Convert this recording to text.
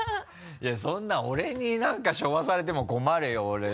いやそんな俺に何か背負わされても困るよ。